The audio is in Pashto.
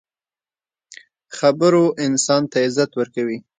خبرو انسان ته عزت ورکوي.